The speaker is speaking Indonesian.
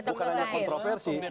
bukan hanya kontroversi